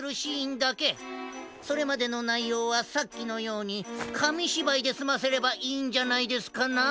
それまでのないようはさっきのようにかみしばいですませればいいんじゃないですかな？